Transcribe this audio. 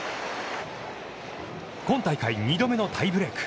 今大会２度目のタイブレーク。